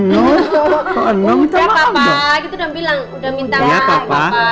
udah papa gitu udah bilang udah minta maaf